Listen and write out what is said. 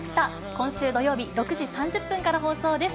今週土曜日６時３０分から放送です。